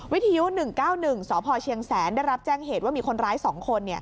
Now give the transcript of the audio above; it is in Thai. วิทยุ๑๙๑สพเชียงแสนได้รับแจ้งเหตุว่ามีคนร้าย๒คน